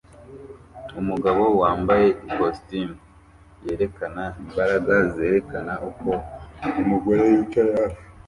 Umugabo wambaye ikositimu yerekana imbaraga zerekana uko umugore yicaye hafi